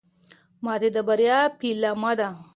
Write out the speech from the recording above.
ماتې د بریا پیلامه ده.